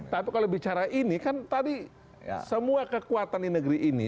tapi kalau bicara ini kan tadi semua kekuatan di negeri ini